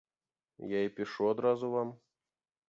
Я і пішу адразу вам.